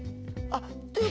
あっ！